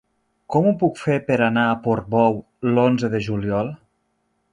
Com ho puc fer per anar a Portbou l'onze de juliol?